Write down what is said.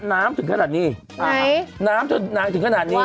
ถึงขนาดนี้น้ำเธอนานถึงขนาดนี้